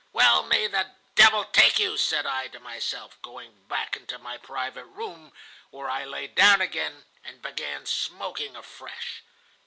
'Well, may the devil take you!' said I to myself, going back into my private room, where I lay down again and began smoking afresh.